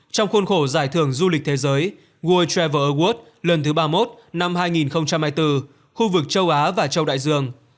trong khuôn khổ giải thưởng du lịch thế giới world travel award lần thứ ba mươi một năm hai nghìn hai mươi bốn khu vực châu á và châu đại dương